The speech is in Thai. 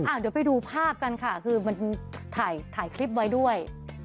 เดี๋ยวไปดูภาพกันค่ะคือมันถ่ายคลิปไว้ด้วย